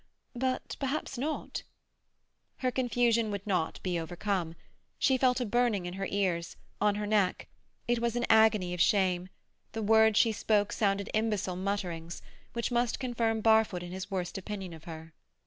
But perhaps not." Her confusion would not be overcome. She felt a burning in her ears, on her neck. It was an agony of shame. The words she spoke sounded imbecile mutterings, which must confirm Barfoot in his worst opinion of her.